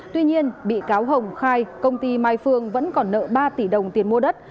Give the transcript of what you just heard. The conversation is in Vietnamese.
tuy nhiên bị cáo hồng khai công ty mai phương vẫn còn nợ ba tỷ đồng tiền mua đất